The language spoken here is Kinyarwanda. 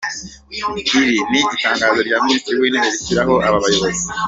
Iri ni itangazo rya Minisitiri w’Intebe rishyiraho aba bayobozi .